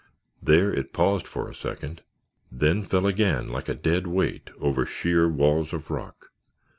There it paused for a second, then fell again like a dead weight, over sheer walls of rock.